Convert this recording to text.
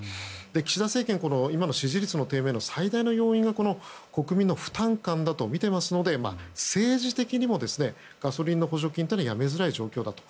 岸田政権は今の支持率の低迷の最大の要因が国民の負担感だとみていますので政治的にもガソリンの補助金というのはやめづらい状況だと。